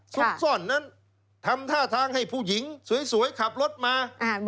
ซุกซ่อนนั้นทำท่าทางให้ผู้หญิงสวยขับรถมา